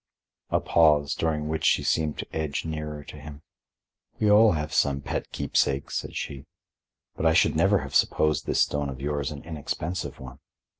A pause, during which she seemed to edge nearer to him. "We all have some pet keepsake," said she. "But I should never have supposed this stone of yours an inexpensive one.